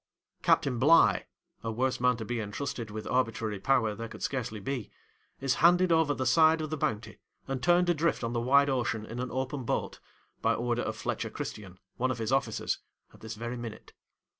Captain Bligh (a worse man to be entrusted with arbitrary power there could scarcely be) is handed over the side of the Bounty, and turned adrift on the wide ocean in an open boat, by order of Fletcher Christian, one of his officers, at this very minute.